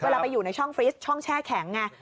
เวลาไปอยู่ในช่องฟริสช่องแช่แข็งไง